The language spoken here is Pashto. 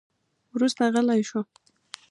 وروسته غلی شو.